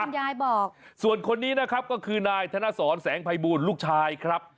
ล่ะส่วนคนนี้ก็คือนายแทนสรแสงพัยบุญลูกชายครับ